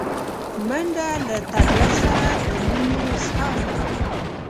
منډه له طبیعت سره د مینې اظهار دی